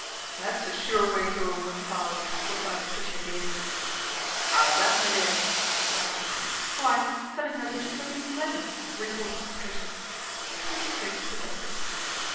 " That's a sure way to a woman's heart," replied Patricia gaily. " 'Ow's that, me dear ?" he questioned. ' Why, telling her that she's looking plain," retorted Patricia. Mr. Triggs protested.